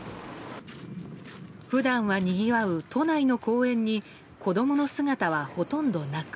普段はにぎわう都内の公園に子供の姿はほとんどなく